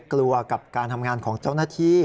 กับการทำงานของเจ้าหน้าที่